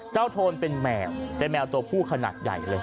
เจ้าโทนเป็นแมวแต่แมวตัวผู้ขนาดใหญ่เลย